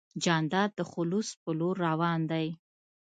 جانداد د خلوص په لور روان دی.